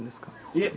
いえ。